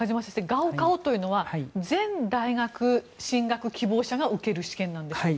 ガオカオというのは全大学進学希望者が受ける試験なんですか？